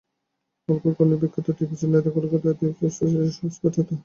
অলকট, colonel বিখ্যাত theosophist নেতা, কলিকাতায় থিওসফিক্যাল সোসাইটির স্থাপয়িতা।